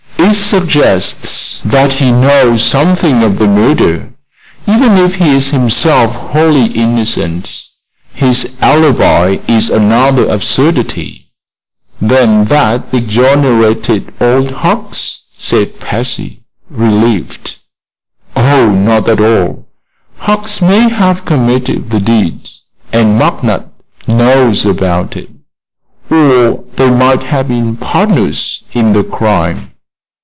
"It suggests that he knows something of the murder, even if he is himself wholly innocent. His alibi is another absurdity." "Then that exonerated Old Hucks," said Patsy, relieved. "Oh, not at all. Hucks may have committed the deed and McNutt knows about it. Or they might have been partners in the crime."